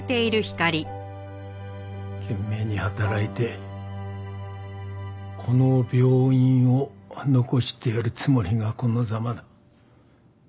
懸命に働いてこの病院を残してやるつもりがこのザマだ。